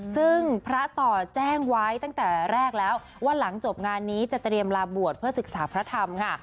ซึ่งพระต่อแจ้งไว้ตั้งแต่แรกแล้วว่าหลังจบงานนี้จะเตรียมลาบวชเพื่อศึกษาพระธรรมค่ะ